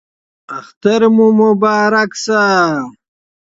اختر مو مبارک شه